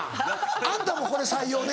あんたもこれ採用ね。